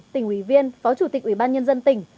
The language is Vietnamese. tỉnh ủy viên phó chủ tịch ủy ban nhân dân tỉnh